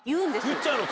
言っちゃうの？